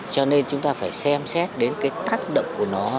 cho nên chúng ta phải xem xét đến cái tác động của nó